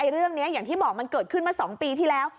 เรื่องนี้อย่างที่บอกมันเกิดขึ้นมา๒ปีที่แล้ว